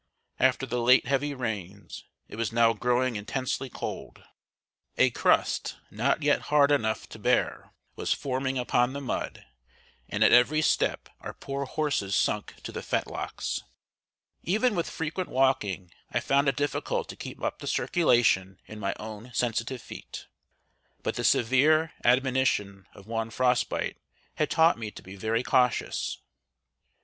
After the late heavy rains it was now growing intensely cold. A crust, not yet hard enough to bear, was forming upon the mud, and at every step our poor horses sunk to the fetlocks. Even with frequent walking I found it difficult to keep up the circulation in my own sensitive feet; but the severe admonition of one frost bite had taught me to be very cautious.